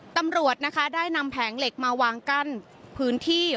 ตำรวจนะคะได้นำแผงเหล็กมาวางกั้นพื้นที่